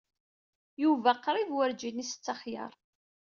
Yuba qrib werǧin isett axyar.